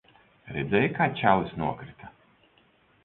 Redzēji, kā čalis nokrita?